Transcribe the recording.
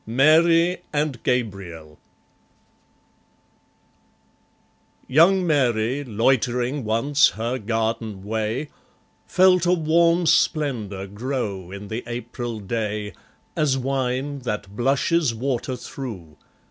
Mary and Gabriel Young Mary, loitering once her garden way, Felt a warm splendour grow in the April day, As wine that blushes water through.